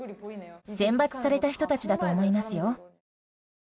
選抜された人たちだと思いますよ。